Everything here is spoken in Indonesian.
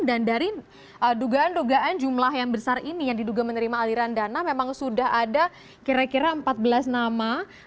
dan dari dugaan dugaan jumlah yang besar ini yang diduga menerima aliran dana memang sudah ada kira kira empat belas nama